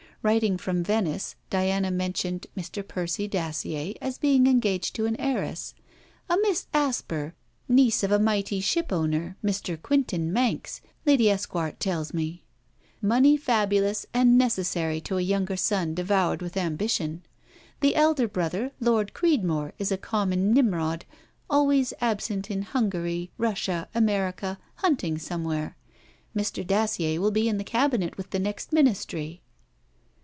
Writing from Venice, Diana mentioned Mr. Percy Dacier as being engaged to an heiress; 'A Miss Asper, niece of a mighty shipowner, Mr. Quintin Manx, Lady Esquart tells me: money fabulous, and necessary to a younger son devoured with ambition. The elder brother, Lord Creedmore, is a common Nimrod, always absent in Hungary, Russia, America, hunting somewhere. Mr. Dacier will be in the Cabinet with the next Ministry.'